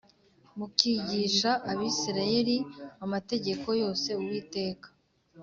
Mukigisha abisirayeli amategeko yose uwiteka